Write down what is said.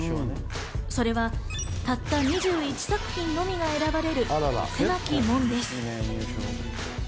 それはたった２１作品のみが選ばれる狭き門です。